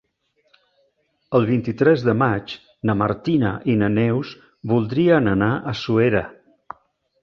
El vint-i-tres de maig na Martina i na Neus voldrien anar a Suera.